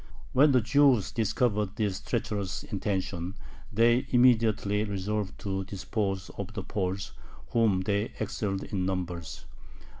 When the Jews discovered this treacherous intention, they immediately resolved to dispose of the Poles, whom they excelled in numbers.